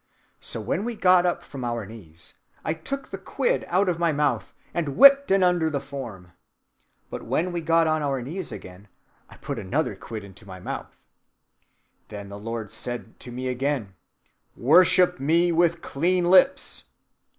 So, when we got up from our knees, I took the quid out of my mouth and 'whipped 'en' [threw it] under the form. But, when we got on our knees again, I put another quid into my mouth. Then the Lord said to me again, 'Worship me with clean lips.